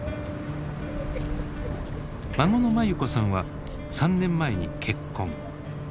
孫の眞優子さんは３年前に結婚。